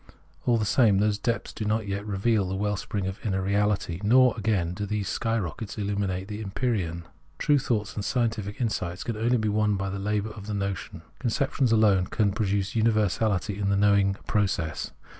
All the same, those depths do not yet reveal the well spring of inner reality ; nor, again, do these sky rockets illumine the empyrean. True thoughts and scientific insight can only be won by the labour of the notion. Conceptions alone can produce universahty in the knowing process.